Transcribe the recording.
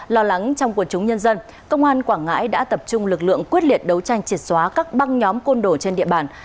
lo lắng trong quần chúng nhân dân công an quảng ngãi đã tập trung lực lượng quyết liệt đấu tranh triệt xóa các băng nhóm côn đổ trên địa bàn